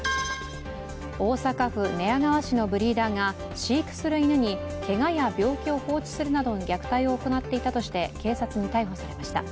大阪府寝屋川市のブリーダーが飼育する犬にけがや病気を放置するなどの虐待を行っていたとして警察に逮捕されました。